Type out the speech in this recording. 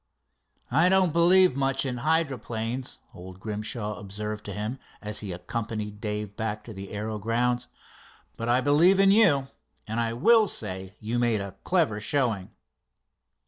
"I don't believe much in hydroplanes," old Grimshaw observed to him as he accompanied Dave back to the aero grounds, "but I believe in you, and I will say you made a clever showing."